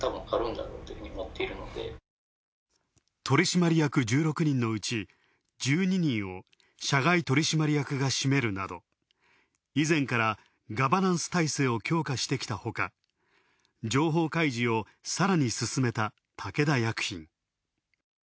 取締役１６人のうち１２人を社外取締役がしめるなど、以前からガバナンス体制を強化してきたほか、情報開示をさらに進めた武田薬品。